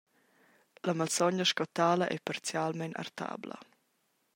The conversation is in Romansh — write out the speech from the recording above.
La malsogna sco tala ei parzialmein artabla.